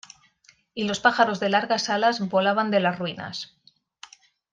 y los pájaros de largas alas volaban de las ruinas.